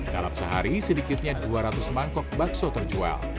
dalam sehari sedikitnya dua ratus mangkok bakso terjual